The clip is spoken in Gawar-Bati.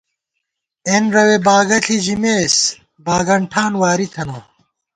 اېن رَوے باگہ ݪِی ژِمېس، باگن ٹھان واری تھنہ